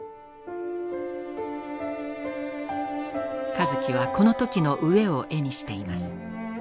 香月はこの時の飢えを絵にしています。